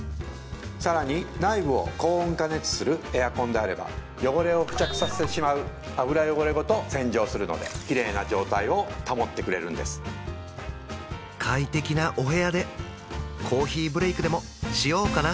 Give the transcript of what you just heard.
さらに内部を高温加熱するエアコンであれば汚れを付着させてしまう油汚れごと洗浄するのできれいな状態を保ってくれるんです快適なお部屋でコーヒーブレイクでもしようかな